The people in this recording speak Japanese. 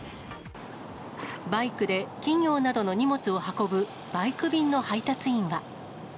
バイクで企業などの荷物を運ぶバイク便の配達員は。